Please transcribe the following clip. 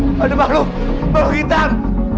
itu ada makhluk makhluk hitam